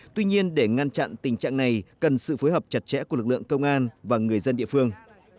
tuy nhiên để ngăn chặn tình trạng này cần sự phối hợp chặt chẽ của lực lượng công an và người dân địa phương